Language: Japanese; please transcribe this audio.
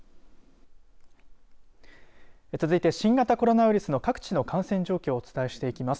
続いて、新型コロナウイルスの各地の感染状況をお伝えしていきます。